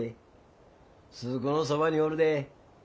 鈴子のそばにおるで。